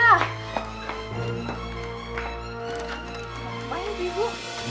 apaan nih ibu